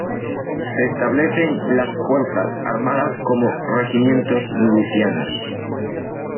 Se establecen las fuerzas armadas como regimientos milicianos.